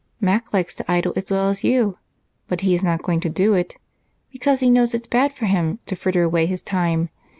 "Mac likes to idle as well as you, but he is not going to do it because he knows it's bad for him to fritter away his time.